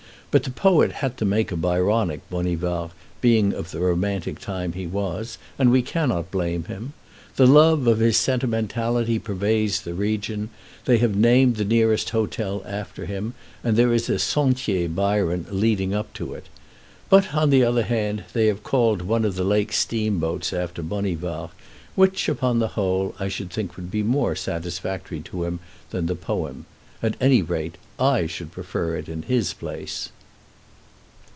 But the poet had to make a Byronic Bonivard, being of the romantic time he was, and we cannot blame him. The love of his sentimentality pervades the region; they have named the nearest hotel after him, and there is a Sentier Byron leading up to it. But, on the other hand, they have called one of the lake steamboats after Bonivard, which, upon the whole, I should think would be more satisfactory to him than the poem. At any rate, I should prefer it in his place.